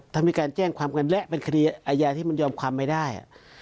ถ้ามีการแจ้งความกันและเป็นคดีอาญาที่มันยอมความไม่ได้